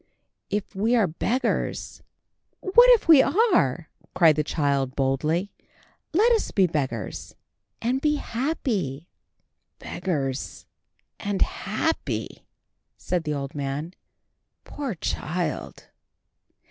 If we are beggars—" "What if we are?" cried the child boldly. "Let us be beggars, and be happy." "Beggars—and happy!" said the old man. "Poor child!"